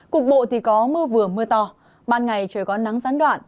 cục bộ thì có mưa vừa mưa to ban ngày trời có nắng gián đoạn